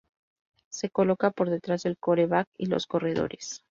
Se coloca por detrás del quarterback y los corredores.